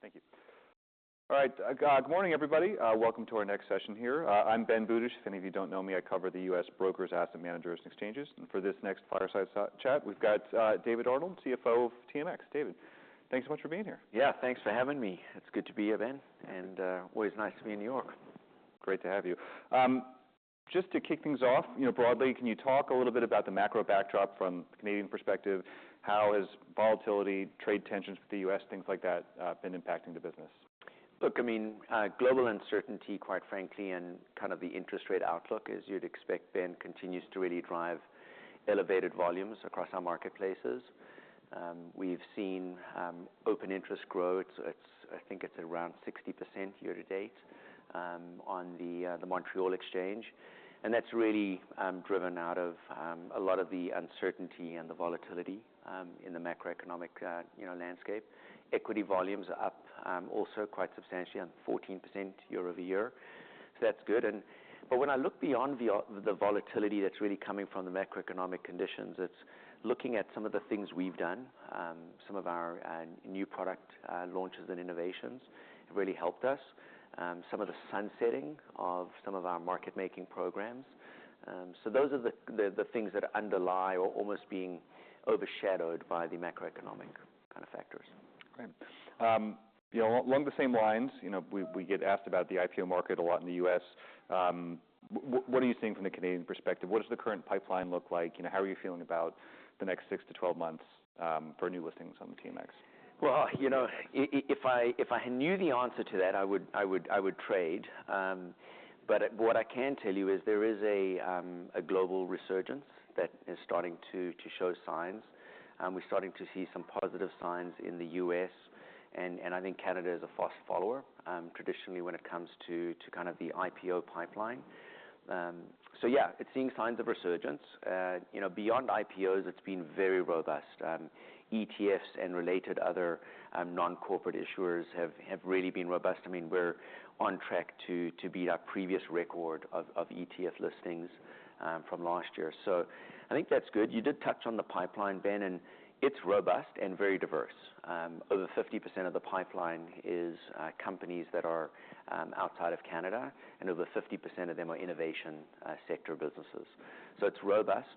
Thank you. All right. Good morning, everybody. Welcome to our next session here. I'm Ben Budish. If any of you don't know me, I cover the U.S. brokers, asset managers, and exchanges. And for this next fireside chat, we've got David Arnold, CFO of TMX. David, thanks so much for being here. Yeah, thanks for having me. It's good to be here, Ben. And, always nice to be in New York. Great to have you. Just to kick things off, you know, broadly, can you talk a little bit about the macro backdrop from the Canadian perspective? How has volatility, trade tensions with the U.S., things like that, been impacting the business? Look, I mean, global uncertainty, quite frankly, and kind of the interest rate outlook, as you'd expect, Ben, continues to really drive elevated volumes across our marketplaces. We've seen open interest grow at I think it's around 60%, year to date on the Montreal Exchange, and that's really driven out of a lot of the uncertainty and the volatility in the macroeconomic, you know, landscape. Equity volumes are up also quite substantially 14% year over year, so that's good. But when I look beyond the volatility that's really coming from the macroeconomic conditions, it's looking at some of the things we've done. Some of our new product launches and innovations have really helped us, some of the sunsetting of some of our market-making programs, so those are the things that underlie or almost being overshadowed by the macroeconomic kind of factors. Great. You know, along the same lines, you know, we get asked about the IPO market a lot in the U.S. What are you seeing from the Canadian perspective? What does the current pipeline look like? You know, how are you feeling about the next six to 12 months for new listings on the TMX? Well, you know, if I knew the answer to that, I would trade. But what I can tell you is there is a global resurgence that is starting to show signs. We're starting to see some positive signs in the U.S. And I think Canada is a fast follower, traditionally when it comes to kind of the IPO pipeline. So yeah, it's seeing signs of resurgence. You know, beyond IPOs, it's been very robust. ETFs and related other non-corporate issuers have really been robust. I mean, we're on track to beat our previous record of ETF listings from last year. So I think that's good. You did touch on the pipeline, Ben, and it's robust and very diverse. Over 50%, of the pipeline is companies that are outside of Canada, and over 50%, of them are innovation sector businesses. So it's robust.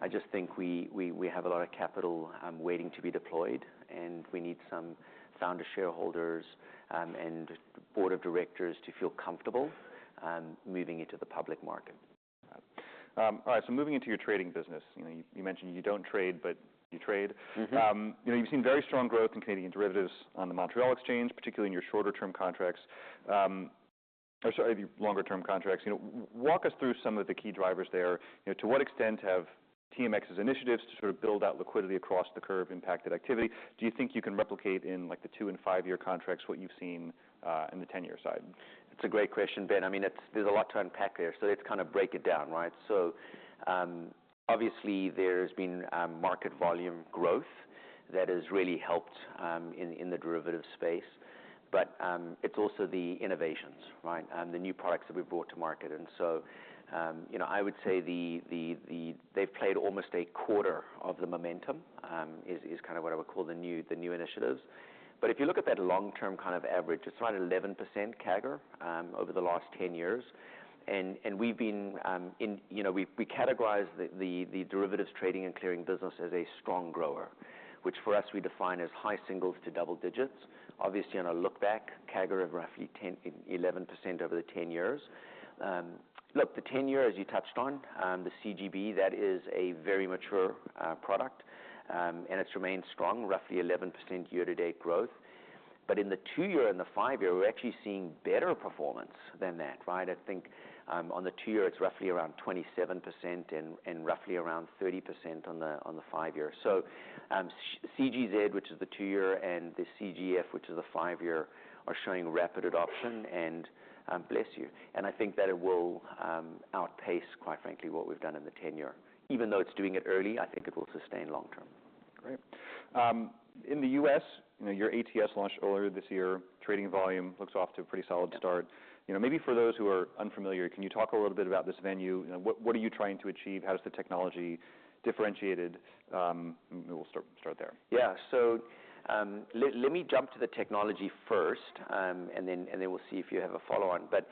I just think we have a lot of capital waiting to be deployed, and we need some founder shareholders and board of directors to feel comfortable moving into the public market. All right. So moving into your trading business, you know, you mentioned you don't trade, but you trade. Mm-hmm. You know, you've seen very strong growth in Canadian derivatives on the Montreal Exchange, particularly in your shorter-term contracts. Or sorry, the longer-term contracts. You know, walk us through some of the key drivers there. You know, to what extent have TMX's initiatives to sort of build out liquidity across the curve impacted activity? Do you think you can replicate in, like, the two and five-year contracts what you've seen, in the 10-year side? It's a great question, Ben. I mean, it's, there's a lot to unpack there. So let's kind of break it down, right? So, obviously, there's been market volume growth that has really helped in the derivatives space. But it's also the innovations, right? The new products that we've brought to market. And so, you know, I would say they've played almost a quarter of the momentum. It's kind of what I would call the new initiatives. But if you look at that long-term kind of average, it's around 11% CAGR over the last 10 years. And we've been, you know, we categorize the derivatives trading and clearing business as a strong grower, which for us we define as high singles to double digits. Obviously, on a look-back, CAGR of roughly 10-11% over the 10 years. Look, the 10-year, as you touched on, the CGB, that is a very mature product, and it's remained strong, roughly 11% year-to-date growth. But in the two-year and the five-year, we're actually seeing better performance than that, right? I think, on the two-year, it's roughly around 27%, and roughly around 30%, on the five-year. So, CGZ, which is the two-year, and the CGF, which is the five-year, are showing rapid adoption. And, bless you. And I think that it will outpace, quite frankly, what we've done in the 10-year. Even though it's doing it early, I think it will sustain long-term. Great. In the U.S., you know, your ATS launched earlier this year. Trading volume looks off to a pretty solid start. Mm-hmm. You know, maybe for those who are unfamiliar, can you talk a little bit about this venue? You know, what are you trying to achieve? How does the technology differentiate? Maybe we'll start there. Yeah. So let me jump to the technology first, and then we'll see if you have a follow-on. But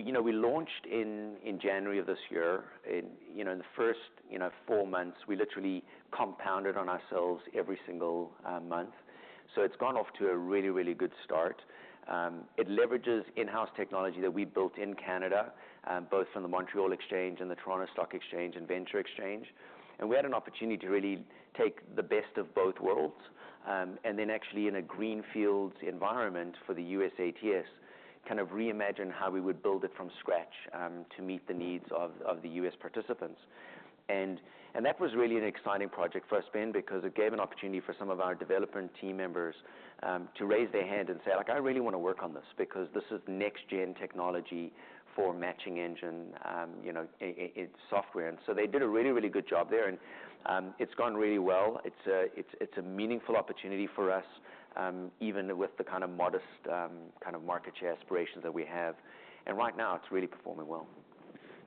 you know, we launched in January of this year. In the first four months, you know, we literally compounded on ourselves every single month. So it's gone off to a really, really good start. It leverages in-house technology that we built in Canada, both from the Montreal Exchange and the Toronto Stock Exchange and Venture Exchange. And we had an opportunity to really take the best of both worlds, and then actually, in a greenfield environment for the U.S. ATS, kind of reimagine how we would build it from scratch, to meet the needs of the US participants. That was really an exciting project for us, Ben, because it gave an opportunity for some of our developer and team members to raise their hand and say, like, "I really want to work on this because this is next-gen technology for matching engine, you know, it's software." And so they did a really, really good job there. It's gone really well. It's a meaningful opportunity for us, even with the kind of modest, kind of market share aspirations that we have. Right now, it's really performing well.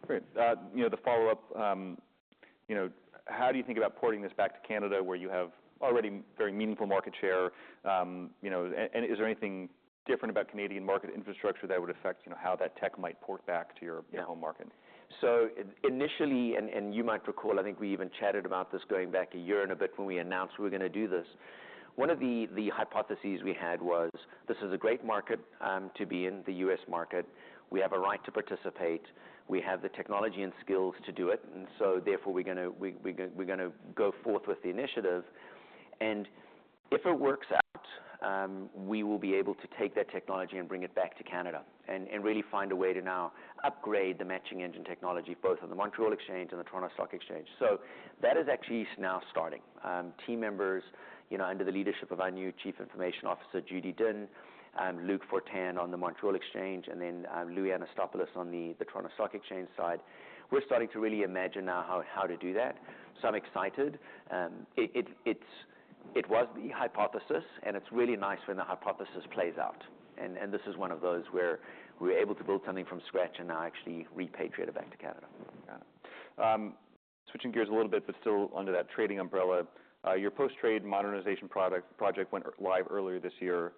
Great. You know, the follow-up, you know, how do you think about porting this back to Canada where you have already very meaningful market share? You know, and is there anything different about Canadian market infrastructure that would affect, you know, how that tech might port back to your, your home market? Yeah. So initially, and you might recall, I think we even chatted about this going back a year and a bit when we announced we were going to do this. One of the hypotheses we had was, "This is a great market to be in, the U.S. market. We have a right to participate. We have the technology and skills to do it. And so therefore, we're going to go forth with the initiative. And if it works out, we will be able to take that technology and bring it back to Canada and really find a way to now upgrade the matching engine technology both on the Montreal Exchange and the Toronto Stock Exchange." So that is actually now starting. team members, you know, under the leadership of our new Chief Information Officer, Judy Dinn, Luc Fortin on the Montreal Exchange, and then, Loui Anastasopoulos on the Toronto Stock Exchange side. We're starting to really imagine now how to do that. So I'm excited. It was the hypothesis, and it's really nice when the hypothesis plays out. This is one of those where we were able to build something from scratch and now actually repatriate it back to Canada. Got it. Switching gears a little bit, but still under that trading umbrella, your post-trade modernization product project went live earlier this year,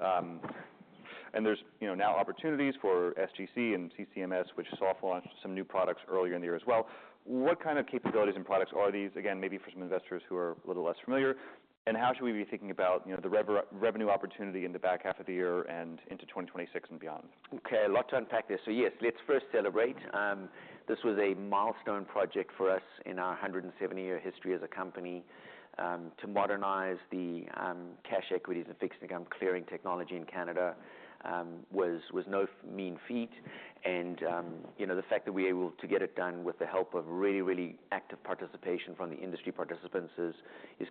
and there's, you know, now opportunities for SGC and CCMS, which soft launched some new products earlier in the year as well. What kind of capabilities and products are these? Again, maybe for some investors who are a little less familiar, and how should we be thinking about, you know, the revenue opportunity in the back half of the year and into 2026 and beyond? Okay. I'd like to unpack this. So yes, let's first celebrate. This was a milestone project for us in our 170-year history as a company. To modernize the cash equities and fixed income clearing technology in Canada was no mean feat. And, you know, the fact that we were able to get it done with the help of really active participation from the industry participants is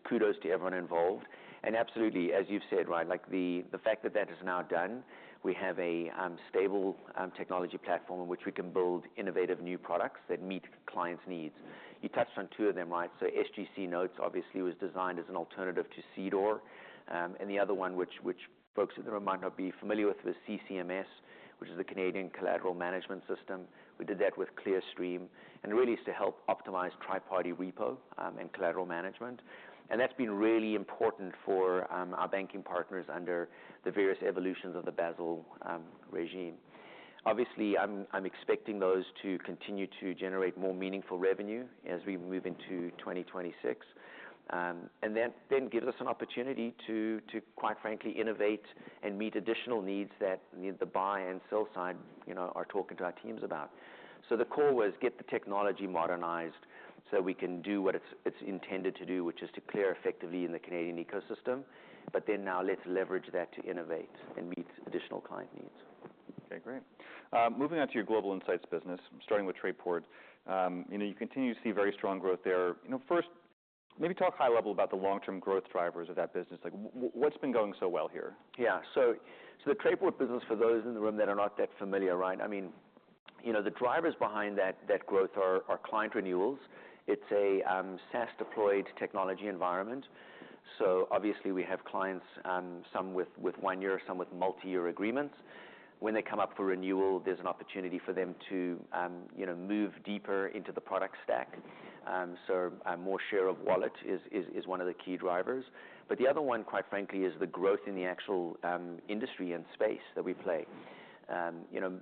kudos to everyone involved. And absolutely, as you've said, right, like, the fact that that is now done, we have a stable technology platform in which we can build innovative new products that meet clients' needs. You touched on two of them, right? So SGC Notes, obviously, was designed as an alternative to CDOR, and the other one, which folks that might not be familiar with, was CCMS, which is the Canadian Collateral Management System. We did that with Clearstream. And really, it's to help optimize triparty repo, and collateral management. And that's been really important for our banking partners under the various evolutions of the Basel regime. Obviously, I'm expecting those to continue to generate more meaningful revenue as we move into 2026. And that then gives us an opportunity to quite frankly innovate and meet additional needs that the buy and sell side, you know, are talking to our teams about. So the core was get the technology modernized so we can do what it's intended to do, which is to clear effectively in the Canadian ecosystem. But then now, let's leverage that to innovate and meet additional client needs. Okay. Great. Moving on to your global insights business, starting with TradePort, you know, you continue to see very strong growth there. You know, first, maybe talk high level about the long-term growth drivers of that business. Like, what's been going so well here? Yeah. So, the Trayport business, for those in the room that are not that familiar, right? I mean, you know, the drivers behind that growth are client renewals. It's a SaaS-deployed technology environment. So obviously, we have clients, some with one-year, some with multi-year agreements. When they come up for renewal, there's an opportunity for them to, you know, move deeper into the product stack. So, more share of wallet is one of the key drivers. But the other one, quite frankly, is the growth in the actual industry and space that we play. You know,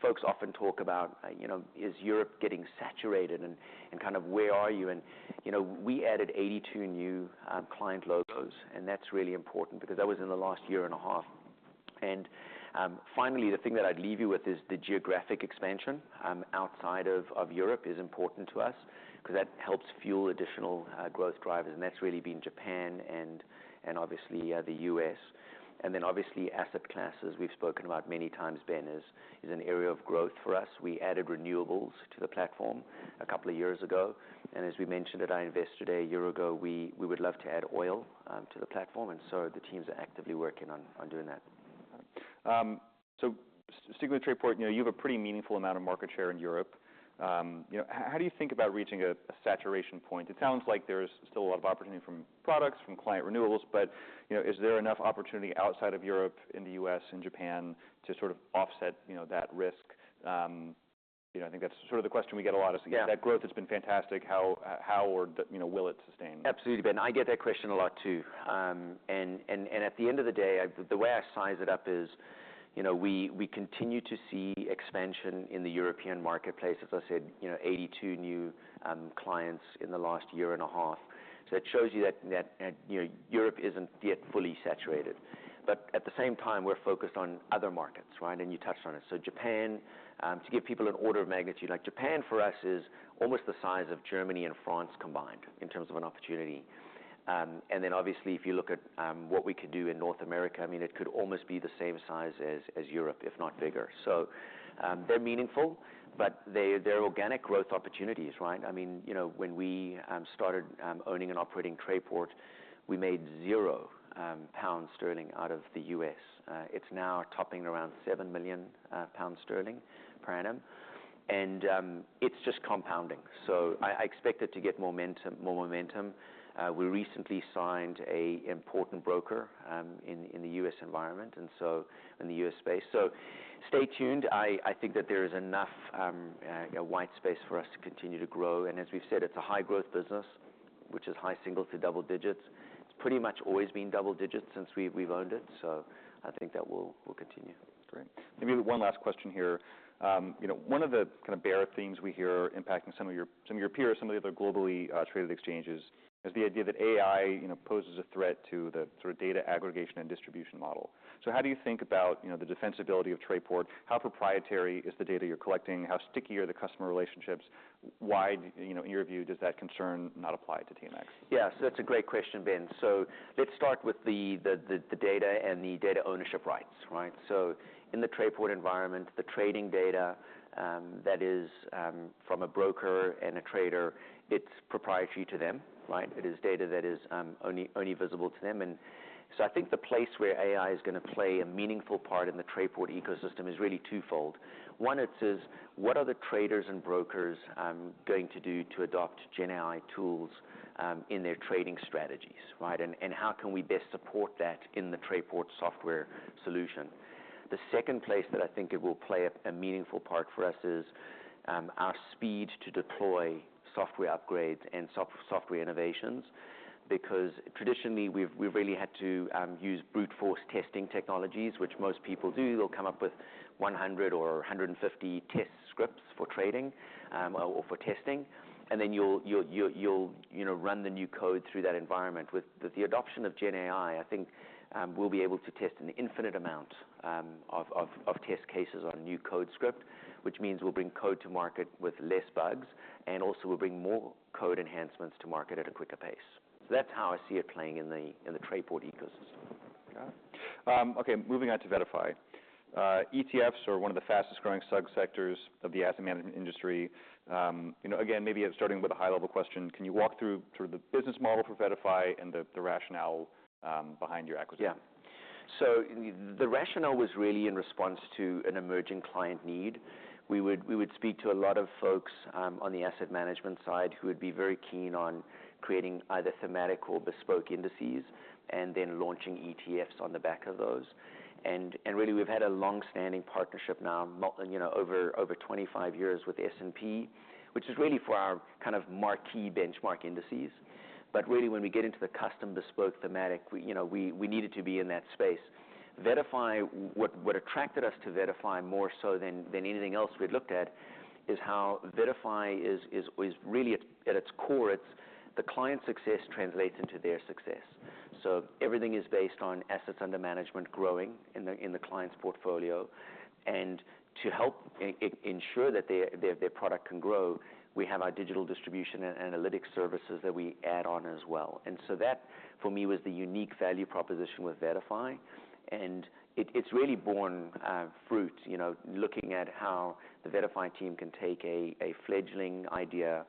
folks often talk about, you know, is Europe getting saturated and kind of where are you? And, you know, we added 82 new client logos. And that's really important because that was in the last year and a half. Finally, the thing that I'd leave you with is the geographic expansion outside of Europe is important to us because that helps fuel additional growth drivers. That's really been Japan and obviously the U.S. Then obviously asset classes we've spoken about many times Ben is an area of growth for us. We added renewables to the platform a couple of years ago. As we mentioned at our investor day a year ago we would love to add oil to the platform. So the teams are actively working on doing that. Sticking with Trayport, you know, you have a pretty meaningful amount of market share in Europe. You know, how do you think about reaching a saturation point? It sounds like there's still a lot of opportunity from products, from client renewables. But, you know, is there enough opportunity outside of Europe, in the U.S., in Japan, to sort of offset, you know, that risk? You know, I think that's sort of the question we get a lot is. Yeah. Is that growth has been fantastic, how, you know, will it sustain? Absolutely, Ben. I get that question a lot too. And at the end of the day, I, the way I size it up is, you know, we continue to see expansion in the European marketplace. As I said, you know, 82 new clients in the last year and a half. So that shows you that you know, Europe isn't yet fully saturated. But at the same time, we're focused on other markets, right? And you touched on it. So Japan, to give people an order of magnitude, like, Japan for us is almost the size of Germany and France combined in terms of an opportunity. And then obviously, if you look at what we could do in North America, I mean, it could almost be the same size as Europe, if not bigger. So, they're meaningful, but they're organic growth opportunities, right? I mean, you know, when we started owning and operating Trayport, we made zero GBP out of the U.S. It's now topping around 7 million pounds per annum. And it's just compounding. So I expect it to get more momentum. We recently signed an important broker in the U.S. environment and so in the US space. So stay tuned. I think that there is enough white space for us to continue to grow. And as we've said, it's a high-growth business, which is high single- to double-digit. It's pretty much always been double-digit since we've owned it. So I think that will continue. Great. Maybe one last question here. You know, one of the kind of bigger themes we hear impacting some of your peers, some of the other globally traded exchanges is the idea that AI, you know, poses a threat to the sort of data aggregation and distribution model. So how do you think about, you know, the defensibility of Trayport? How proprietary is the data you're collecting? How sticky are the customer relationships? Why, you know, in your view, does that concern not apply to TMX? Yeah. So that's a great question, Ben. So let's start with the data and the data ownership rights, right? So in the Trayport environment, the trading data, that is, from a broker and a trader, it's proprietary to them, right? It is data that is only visible to them. And so I think the place where AI is going to play a meaningful part in the TradePort ecosystem is really twofold. One, it says, what are the traders and brokers going to do to adopt GenAI tools in their trading strategies, right? And how can we best support that in the Trayport software solution? The second place that I think it will play a meaningful part for us is our speed to deploy software upgrades and software innovations because traditionally, we've really had to use brute force testing technologies, which most people do. They'll come up with 100 or 150 test scripts for trading or for testing. And then you'll, you know, run the new code through that environment. With the adoption of GenAI, I think, we'll be able to test an infinite amount of test cases on a new code script, which means we'll bring code to market with less bugs and also we'll bring more code enhancements to market at a quicker pace. So that's how I see it playing in the TradePort ecosystem. Got it. Okay. Moving on to VettaFi. ETFs are one of the fastest growing subsectors of the asset management industry. You know, again, maybe starting with a high-level question, can you walk through sort of the business model for VettaFi and the rationale behind your acquisition? Yeah. So the rationale was really in response to an emerging client need. We would speak to a lot of folks on the asset management side who would be very keen on creating either thematic or bespoke indices and then launching ETFs on the back of those. And really, we've had a long-standing partnership now, you know, over 25 years with S&P, which is really for our kind of marquee benchmark indices. But really, when we get into the custom bespoke thematic, you know, we needed to be in that space. VettaFi, what attracted us to VettaFi more so than anything else we'd looked at is how VettaFi is really at its core. It's the client success translates into their success. So everything is based on assets under management growing in the client's portfolio. And to help ensure that their product can grow, we have our digital distribution and analytics services that we add on as well. And so that, for me, was the unique value proposition with VettaFi. And it's really borne fruit, you know, looking at how the VettaFi team can take a fledgling idea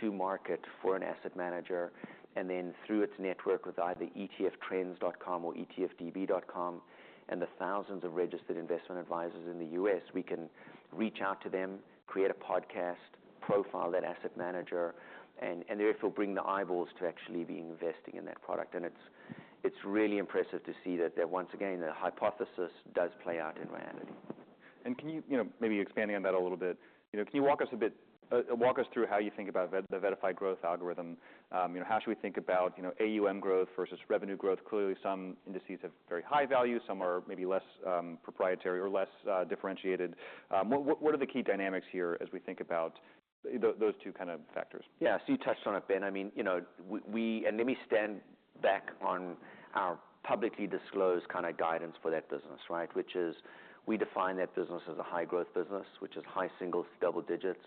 to market for an asset manager and then through its network with either etftrends.com or etfdb.com and the thousands of registered investment advisors in the U.S., we can reach out to them, create a podcast, profile that asset manager, and therefore bring the eyeballs to actually be investing in that product. And it's really impressive to see that once again, the hypothesis does play out in reality. Can you, you know, maybe expanding on that a little bit, you know, can you walk us a bit, walk us through how you think about the VettaFi growth algorithm? You know, how should we think about, you know, AUM growth versus revenue growth? Clearly, some indices have very high value. Some are maybe less, proprietary or less, differentiated. What are the key dynamics here as we think about those two kind of factors? Yeah. So you touched on it, Ben. I mean, you know, we and let me stand back on our publicly disclosed kind of guidance for that business, right? Which is we define that business as a high-growth business, which is high single to double digits.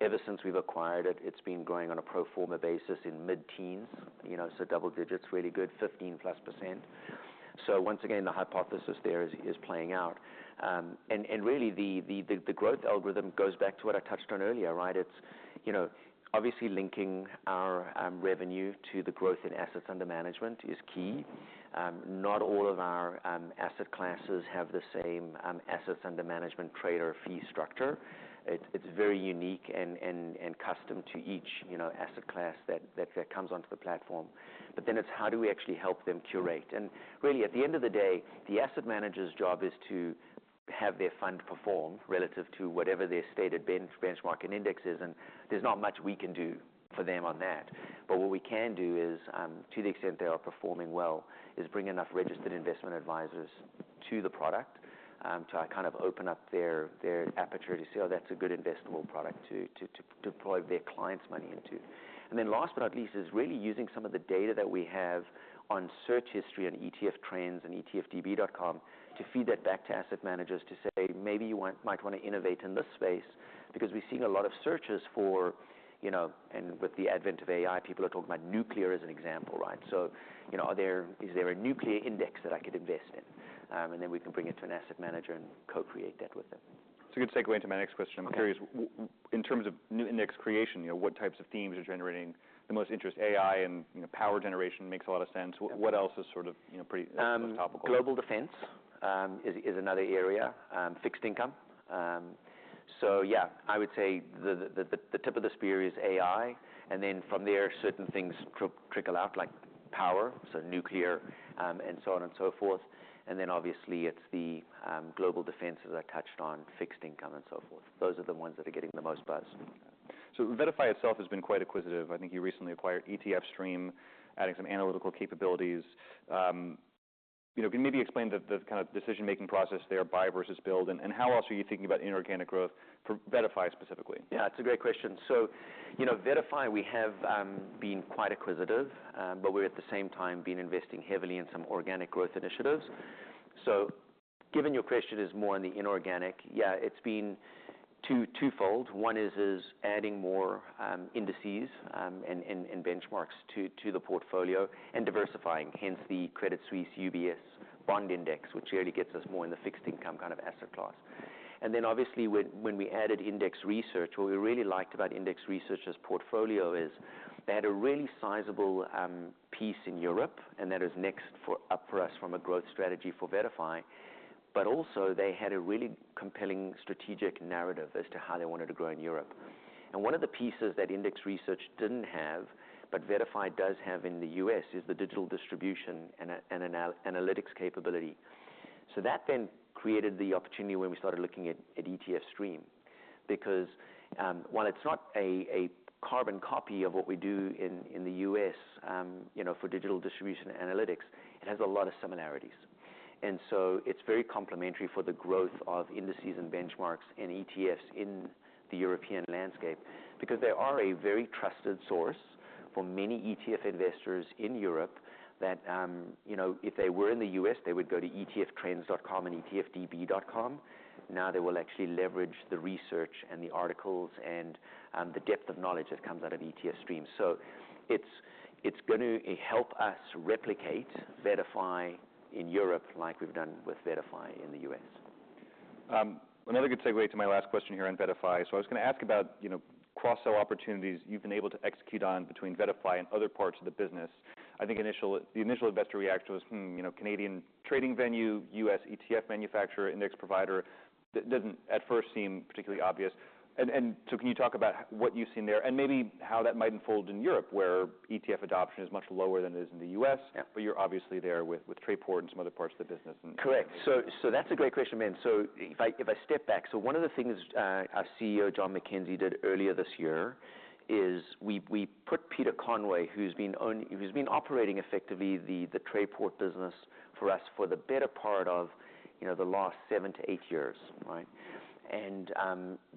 Ever since we've acquired it, it's been growing on a pro forma basis in mid-teens, you know? So double digits, really good, 15+%. So once again, the hypothesis there is playing out, and really, the growth algorithm goes back to what I touched on earlier, right? It's, you know, obviously linking our revenue to the growth in assets under management is key. Not all of our asset classes have the same assets under management trader fee structure. It's very unique and custom to each, you know, asset class that comes onto the platform. But then it's how do we actually help them curate? And really, at the end of the day, the asset manager's job is to have their fund perform relative to whatever their stated benchmarking index is. And there's not much we can do for them on that. But what we can do is, to the extent they are performing well, is bring enough registered investment advisors to the product, to kind of open up their aperture to see, oh, that's a good investable product to deploy their clients' money into. Then last but not least is really using some of the data that we have on search history on etftrends.com and etfdb.com to feed that back to asset managers to say, maybe you might want to innovate in this space because we're seeing a lot of searches for, you know, and with the advent of AI, people are talking about nuclear as an example, right? So, you know, is there a nuclear index that I could invest in? And then we can bring it to an asset manager and co-create that with them. That's a good segue into my next question. I'm curious, in terms of new index creation, you know, what types of themes are generating the most interest? AI and, you know, power generation makes a lot of sense. What else is sort of, you know, pretty topical? Global defense is another area, fixed income. So yeah, I would say the tip of the spear is AI. And then from there, certain things trickle out like power, so nuclear, and so on and so forth. And then obviously, it's global defense as I touched on, fixed income and so forth. Those are the ones that are getting the most buzz. So VettaFi itself has been quite acquisitive. I think you recently acquired ETF Stream, adding some analytical capabilities. You know, can you maybe explain the kind of decision-making process there, buy versus build? And how else are you thinking about inorganic growth for VettaFi specifically? Yeah. It's a great question. So, you know, VettaFi, we have been quite acquisitive, but we're at the same time been investing heavily in some organic growth initiatives. So given your question is more on the inorganic, yeah, it's been twofold. One is adding more indices and benchmarks to the portfolio and diversifying, hence the Credit Suisse UBS bond index, which really gets us more in the fixed income kind of asset class. And then obviously, when we added index research, what we really liked about index researcher's portfolio is they had a really sizable piece in Europe, and that is next up for us from a growth strategy for VettaFi. But also, they had a really compelling strategic narrative as to how they wanted to grow in Europe. And one of the pieces that index research didn't have, but VettaFi does have in the US is the digital distribution and analytics capability. So that then created the opportunity when we started looking at ETF Stream because while it's not a carbon copy of what we do in the US, you know, for digital distribution analytics, it has a lot of similarities. And so it's very complementary for the growth of indices and benchmarks and ETFs in the European landscape because they are a very trusted source for many ETF investors in Europe that, you know, if they were in the US, they would go to etftrends.com and etfdb.com. Now they will actually leverage the research and the articles and the depth of knowledge that comes out of ETF Stream. So it's going to help us replicate VettaFi in Europe like we've done with VettaFi in the U.S. Another good segue to my last question here on VettaFi. So I was going to ask about, you know, cross-sell opportunities you've been able to execute on between VettaFi and other parts of the business. I think the initial investor reaction was, you know, Canadian trading venue, U.S. ETF manufacturer, index provider. That doesn't at first seem particularly obvious. And so can you talk about what you've seen there and maybe how that might unfold in Europe where ETF adoption is much lower than it is in the U.S.? Yeah. But you're obviously there with Trayport and some other parts of the business. Correct. So that's a great question, Ben. So if I step back, one of the things our CEO, John McKenzie, did earlier this year is we put Peter Conroy, who's been on, who's been operating effectively the Trayport business for us for the better part of, you know, the last seven to eight years, right, and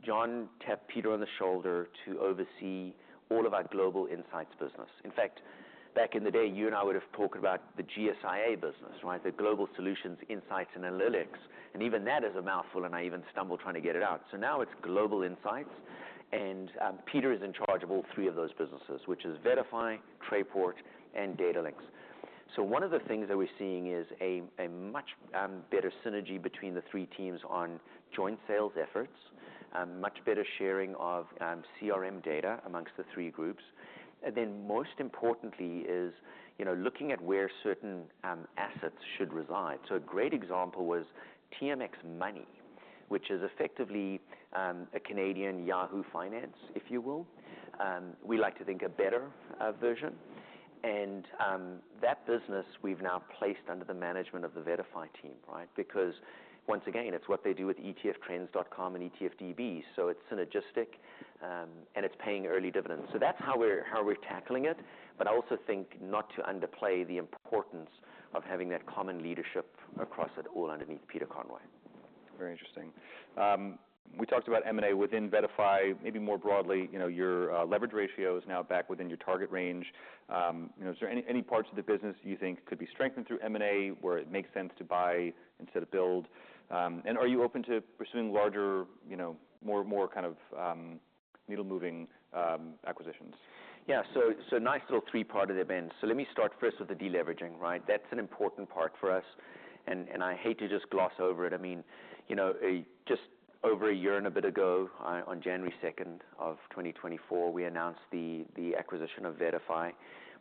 John tapped Peter on the shoulder to oversee all of our global insights business. In fact, back in the day, you and I would have talked about the GSIA business, right? The global solutions, insights, and analytics, and even that is a mouthful, and I even stumbled trying to get it out, so now it's global insights, and Peter is in charge of all three of those businesses, which is VettaFi, Trayport, and Datalinx. So one of the things that we're seeing is a much better synergy between the three teams on joint sales efforts, much better sharing of CRM data amongst the three groups. And then most importantly is, you know, looking at where certain assets should reside. So a great example was TMX Money, which is effectively a Canadian Yahoo Finance, if you will. We like to think a better version. And that business we've now placed under the management of the VettaFi team, right? Because once again, it's what they do with etftrends.com and etfdb.com. So it's synergistic, and it's paying early dividends. So that's how we're tackling it. But I also think not to underplay the importance of having that common leadership across it all underneath Peter Conroy. Very interesting. We talked about M&A within VettaFi. Maybe more broadly, you know, your leverage ratio is now back within your target range. You know, is there any parts of the business you think could be strengthened through M&A where it makes sense to buy instead of build? And are you open to pursuing larger, you know, more kind of needle-moving acquisitions? Yeah. So nice little three-parted event. So let me start first with the deleveraging, right? That's an important part for us. And I hate to just gloss over it. I mean, you know, just over a year and a bit ago, on January 2nd of 2024, we announced the acquisition of VettaFi.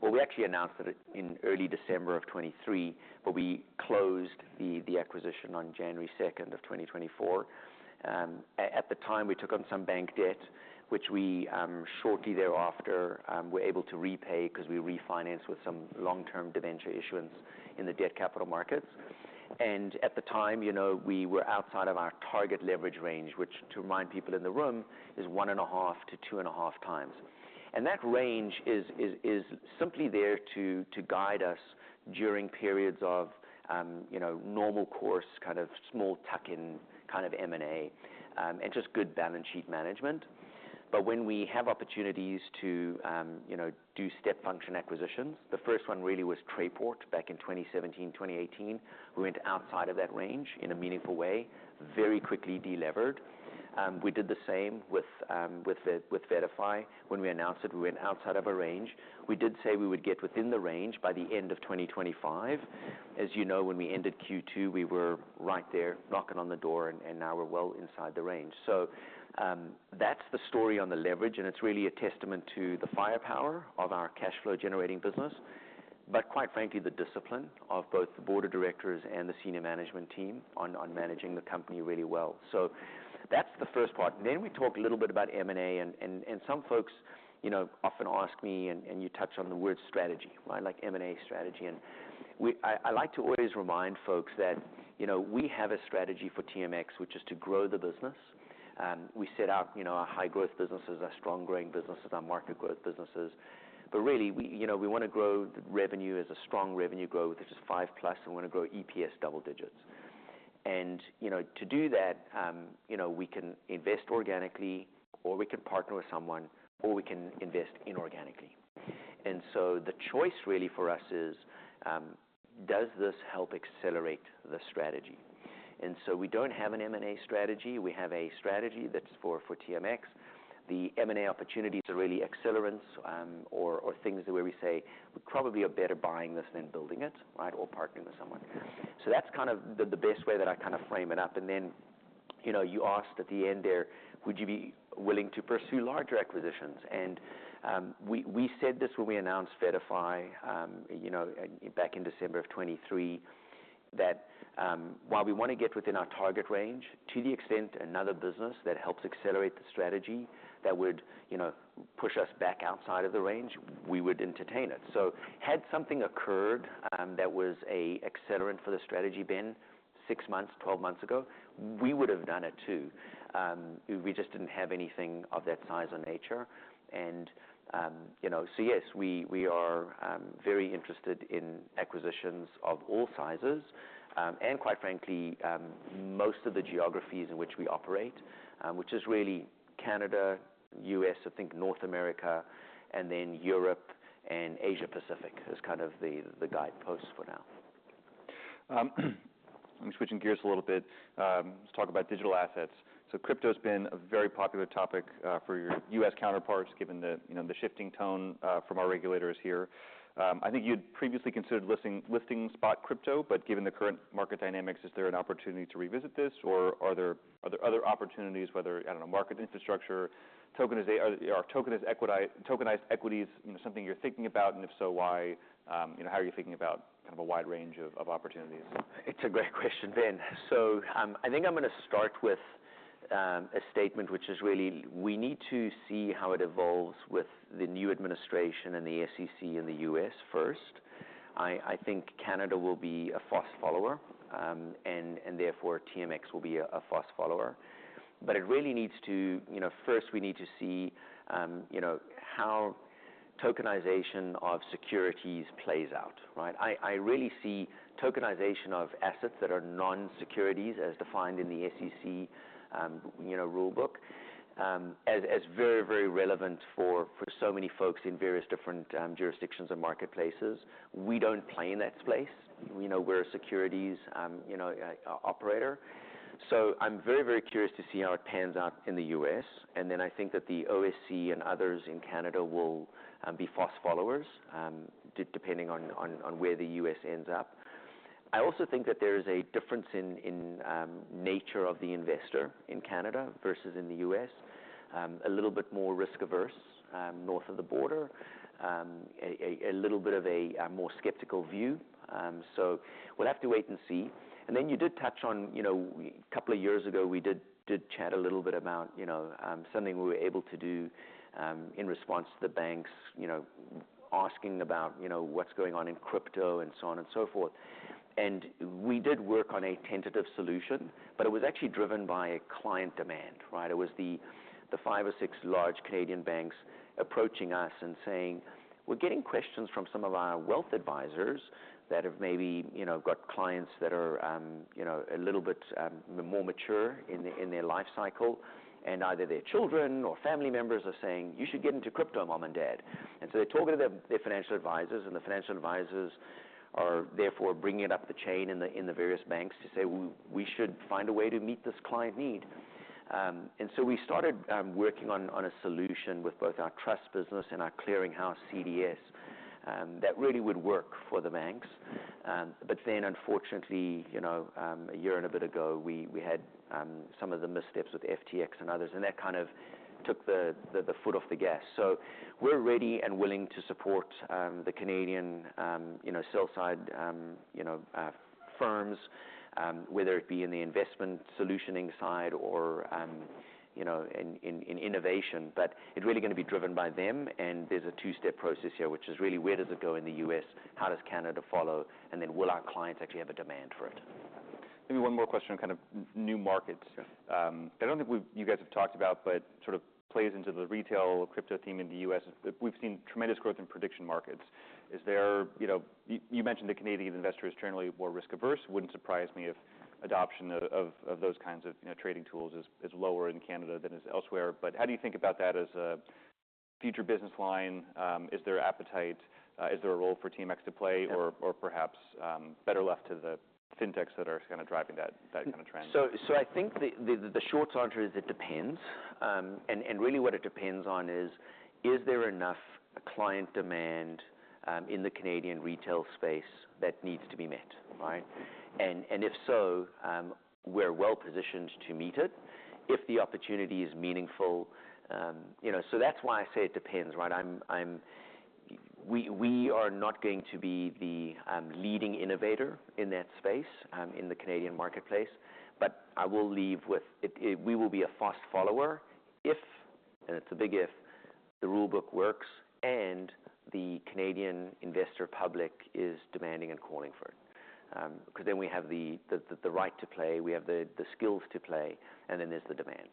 Well, we actually announced it in early December of 2023, but we closed the acquisition on January 2nd of 2024. At the time, we took on some bank debt, which we shortly thereafter were able to repay because we refinanced with some long-term debt issuance in the debt capital markets. And at the time, you know, we were outside of our target leverage range, which, to remind people in the room, is one and a half to two and a half times. That range is simply there to guide us during periods of, you know, normal course, kind of small tuck-in kind of M&A, and just good balance sheet management. But when we have opportunities to, you know, do step function acquisitions, the first one really was Trayport back in 2017, 2018. We went outside of that range in a meaningful way, very quickly delevered. We did the same with VettaFi. When we announced it, we went outside of our range. We did say we would get within the range by the end of 2025. As you know, when we ended Q2, we were right there knocking on the door, and now we're well inside the range. So, that's the story on the leverage, and it's really a testament to the firepower of our cash flow generating business, but quite frankly, the discipline of both the board of directors and the senior management team on managing the company really well. So that's the first part. Then we talked a little bit about M&A, and some folks, you know, often ask me, and you touch on the word strategy, right? Like M&A strategy. And we, I like to always remind folks that, you know, we have a strategy for TMX, which is to grow the business. We set out, you know, our high-growth businesses, our strong-growing businesses, our market growth businesses. But really, we, you know, we want to grow the revenue as a strong revenue growth, which is five plus, and we want to grow EPS double digits. And, you know, to do that, you know, we can invest organically, or we can partner with someone, or we can invest inorganically. And so the choice really for us is, does this help accelerate the strategy? And so we don't have an M&A strategy. We have a strategy that's for TMX. The M&A opportunities are really accelerants, or things where we say we probably are better buying this than building it, right? Or partnering with someone. So that's kind of the best way that I kind of frame it up. And then, you know, you asked at the end there, would you be willing to pursue larger acquisitions? We said this when we announced VettaFi, you know, back in December of 2023, that while we want to get within our target range, to the extent another business that helps accelerate the strategy that would, you know, push us back outside of the range, we would entertain it. So had something occurred, that was an accelerant for the strategy in six months, 12 months ago, we would have done it too. We just didn't have anything of that size or nature. You know, so yes, we are very interested in acquisitions of all sizes, and quite frankly, most of the geographies in which we operate, which is really Canada, U.S., I think North America, and then Europe and Asia Pacific as kind of the guideposts for now. Let me switch gears a little bit. Let's talk about digital assets. So crypto has been a very popular topic for your U.S. counterparts given the, you know, the shifting tone from our regulators here. I think you'd previously considered listing spot crypto, but given the current market dynamics, is there an opportunity to revisit this? Or are there other opportunities, whether, I don't know, market infrastructure, tokenization, or tokenized equities, you know, something you're thinking about? And if so, why? You know, how are you thinking about kind of a wide range of opportunities? It's a great question, Ben. So, I think I'm going to start with a statement which is really we need to see how it evolves with the new administration and the SEC in the U.S. first. I think Canada will be a FOSS follower, and therefore TMX will be a FOSS follower. But it really needs to, you know, first we need to see, you know, how tokenization of securities plays out, right? I really see tokenization of assets that are non-securities as defined in the SEC, you know, rulebook, as very, very relevant for so many folks in various different jurisdictions and marketplaces. We don't play in that space. We know we're a securities, you know, operator. So I'm very, very curious to see how it pans out in the U.S. And then I think that the OSC and others in Canada will be fast followers, depending on where the U.S. ends up. I also think that there is a difference in nature of the investor in Canada versus in the U.S., a little bit more risk-averse north of the border, a little bit of a more skeptical view. So we'll have to wait and see. And then you did touch on, you know, a couple of years ago we did chat a little bit about, you know, something we were able to do, in response to the banks, you know, asking about, you know, what's going on in crypto and so on and so forth. And we did work on a tentative solution, but it was actually driven by a client demand, right? It was the five or six large Canadian banks approaching us and saying, we're getting questions from some of our wealth advisors that have maybe, you know, got clients that are, you know, a little bit more mature in their life cycle. And either their children or family members are saying, you should get into crypto, mom and dad. And so they talk to their financial advisors, and the financial advisors are therefore bringing it up the chain in the various banks to say, we should find a way to meet this client need. And so we started working on a solution with both our trust business and our clearinghouse CDS, that really would work for the banks. But then unfortunately, you know, a year and a bit ago, we had some of the missteps with FTX and others, and that kind of took the foot off the gas. So we're ready and willing to support the Canadian, you know, sell side, you know, firms, whether it be in the investment solutioning side or, you know, in innovation. But it's really going to be driven by them. And there's a two-step process here, which is really where does it go in the U.S.? How does Canada follow? And then will our clients actually have a demand for it? Maybe one more question on kind of new markets. I don't think you guys have talked about, but sort of plays into the retail crypto theme in the U.S. We've seen tremendous growth in prediction markets. Is there, you know, you mentioned that Canadian investors are generally more risk-averse. Wouldn't surprise me if adoption of those kinds of, you know, trading tools is lower in Canada than it is elsewhere. But how do you think about that as a future business line? Is there appetite? Is there a role for TMX to play or perhaps better left to the fintechs that are kind of driving that kind of trend? I think the short answer is it depends. And really what it depends on is there enough client demand in the Canadian retail space that needs to be met, right? And if so, we're well positioned to meet it if the opportunity is meaningful. You know, so that's why I say it depends, right? We are not going to be the leading innovator in that space in the Canadian marketplace. But I will live with it, we will be a fast follower if, and it's a big if, the rulebook works and the Canadian investor public is demanding and calling for it. Because then we have the right to play, we have the skills to play, and then there's the demand,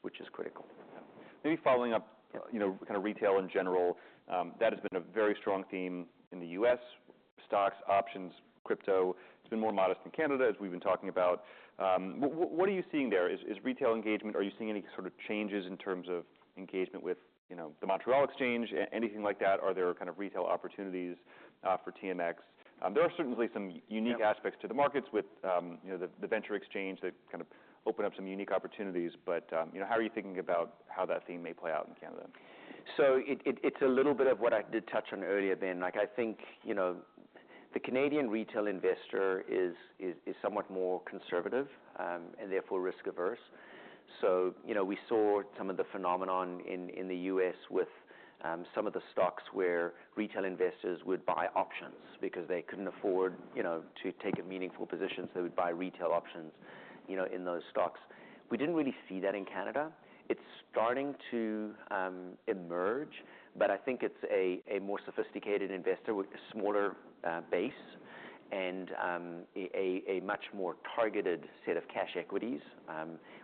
which is critical. Maybe following up, you know, kind of retail in general, that has been a very strong theme in the U.S., stocks, options, crypto. It's been more modest in Canada, as we've been talking about. What are you seeing there? Is retail engagement? Are you seeing any sort of changes in terms of engagement with, you know, the Montreal Exchange, anything like that? Are there kind of retail opportunities for TMX? There are certainly some unique aspects to the markets with, you know, the venture exchange that kind of open up some unique opportunities. But, you know, how are you thinking about how that theme may play out in Canada? It's a little bit of what I did touch on earlier, Ben. Like I think, you know, the Canadian retail investor is somewhat more conservative, and therefore risk-averse. So, you know, we saw some of the phenomenon in the U.S. with some of the stocks where retail investors would buy options because they couldn't afford, you know, to take a meaningful position. So they would buy retail options, you know, in those stocks. We didn't really see that in Canada. It's starting to emerge. But I think it's a more sophisticated investor with a smaller base and a much more targeted set of cash equities,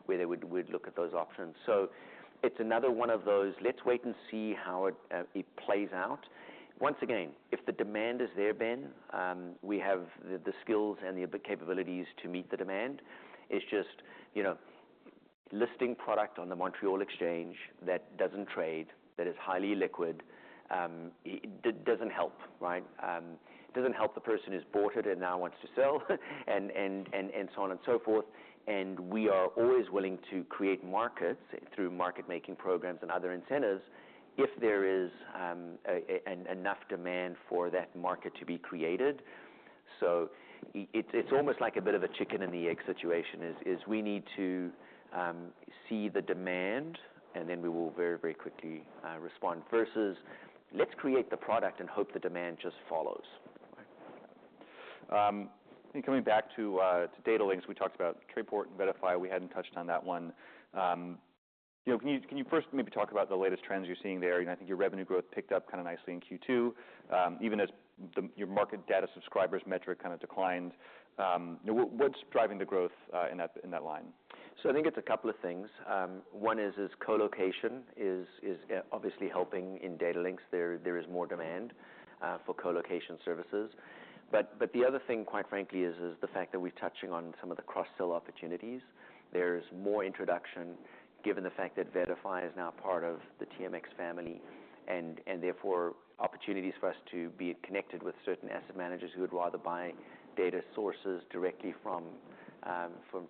where they would look at those options. So it's another one of those, let's wait and see how it plays out. Once again, if the demand is there, Ben, we have the skills and the capabilities to meet the demand. It's just, you know, listing product on the Montreal Exchange that doesn't trade, that is highly liquid, it doesn't help, right? It doesn't help the person who's bought it and now wants to sell and so on and so forth. And we are always willing to create markets through market-making programs and other incentives if there is enough demand for that market to be created. So it's almost like a bit of a chicken and the egg situation. We need to see the demand and then we will very, very quickly respond versus let's create the product and hope the demand just follows. Right, and coming back to data links, we talked about TradePort and VettaFi. We hadn't touched on that one. You know, can you first maybe talk about the latest trends you're seeing there? You know, I think your revenue growth picked up kind of nicely in Q2, even as the your market data subscribers metric kind of declined. You know, what's driving the growth in that line? So I think it's a couple of things. One is colocation is obviously helping in Datalinx. There is more demand for colocation services. But the other thing, quite frankly, is the fact that we're touching on some of the cross-sell opportunities. There's more introduction given the fact that VettaFi is now part of the TMX family and therefore opportunities for us to be connected with certain asset managers who would rather buy data sources directly from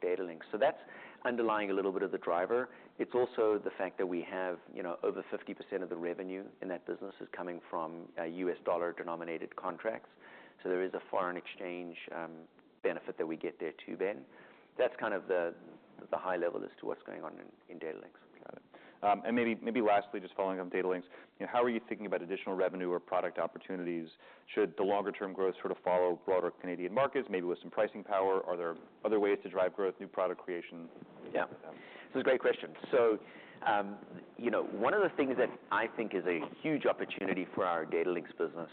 Datalinx. So that's underlying a little bit of the driver. It's also the fact that we have, you know, over 50%, of the revenue in that business is coming from US dollar denominated contracts. So there is a foreign exchange benefit that we get there too, Ben. That's kind of the high level as to what's going on in Datalinx. Got it. And maybe, maybe lastly, just following on data links, you know, how are you thinking about additional revenue or product opportunities? Should the longer-term growth sort of follow broader Canadian markets, maybe with some pricing power? Are there other ways to drive growth, new product creation? Yeah. This is a great question, so you know, one of the things that I think is a huge opportunity for our data links business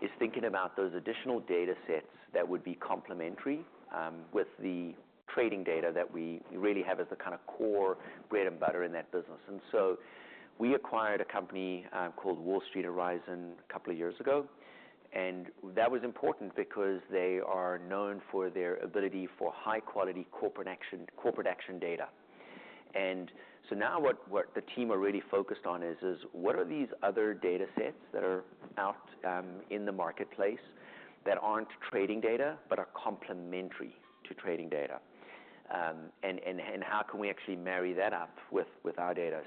is thinking about those additional data sets that would be complementary, with the trading data that we really have as the kind of core bread and butter in that business. And so we acquired a company, called Wall Street Horizon a couple of years ago. And that was important because they are known for their ability for high-quality corporate action, corporate action data. And so now what the team are really focused on is what are these other data sets that are out in the marketplace that aren't trading data but are complementary to trading data? and how can we actually marry that up with our data?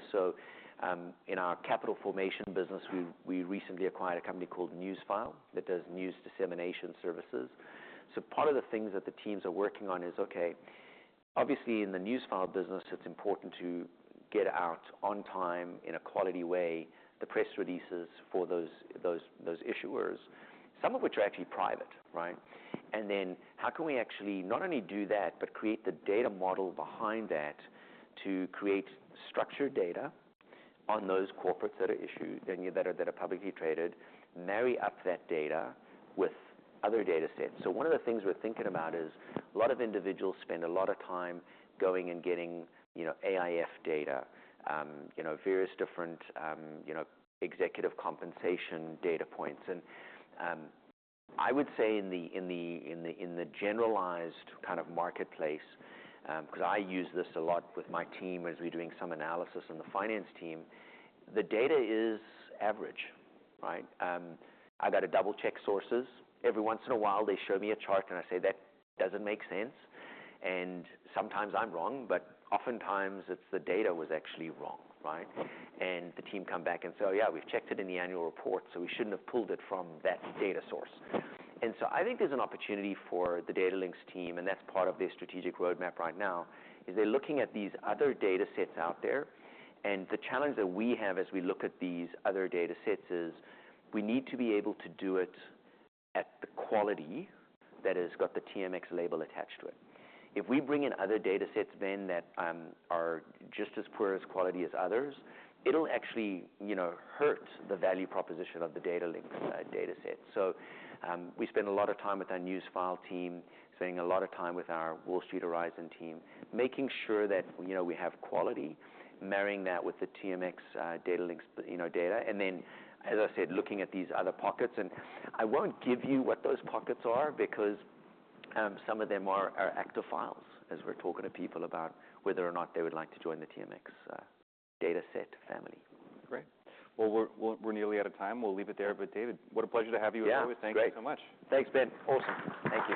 In our capital formation business, we recently acquired a company called Newsfile that does news dissemination services. Part of the things that the teams are working on is, okay, obviously in the Newsfile business, it's important to get out on time in a quality way the press releases for those issuers, some of which are actually private, right? And then how can we actually not only do that, but create the data model behind that to create structured data on those corporates that are issued, that are publicly traded, marry up that data with other data sets? One of the things we're thinking about is a lot of individuals spend a lot of time going and getting, you know, AIF data, you know, various different, you know, executive compensation data points. I would say in the generalized kind of marketplace, because I use this a lot with my team as we're doing some analysis on the finance team, the data is average, right? I got to double-check sources. Every once in a while they show me a chart and I say that doesn't make sense. And sometimes I'm wrong, but oftentimes it's the data was actually wrong, right? And the team come back and say, "Oh yeah, we've checked it in the annual report, so we shouldn't have pulled it from that data source." And so I think there's an opportunity for the data links team, and that's part of their strategic roadmap right now, is they're looking at these other data sets out there. And the challenge that we have as we look at these other data sets is we need to be able to do it at the quality that has got the TMX label attached to it. If we bring in other data sets, Ben, that are just as poor quality as others, it will actually, you know, hurt the value proposition of the data link, data set. So, we spend a lot of time with our Newsfile team, spending a lot of time with our Wall Street Horizon team, making sure that, you know, we have quality, marrying that with the TMX data links, you know, data. And then, as I said, looking at these other pockets. And I won't give you what those pockets are because some of them are active files as we're talking to people about whether or not they would like to join the TMX dataset family. Great. Well, we're nearly out of time. We'll leave it there. But David, what a pleasure to have you with us. Yeah. Thank you so much. Thanks, Ben. Awesome. Thank you.